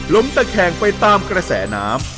ล้มตะแข่งไปตามกระแสน้ำ